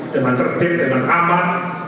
dengan tertib dengan aman